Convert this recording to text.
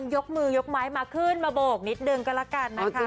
ยกมือยกไม้มาขึ้นมาโบกนิดนึงก็แล้วกันนะคะ